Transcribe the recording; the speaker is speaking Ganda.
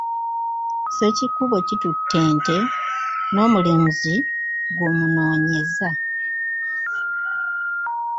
Ssekikubo kitutte ente, n’omulunzi gy’omunoonyeza.